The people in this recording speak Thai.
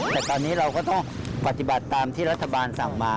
แต่ตอนนี้เราก็ต้องปฏิบัติตามที่รัฐบาลสั่งมา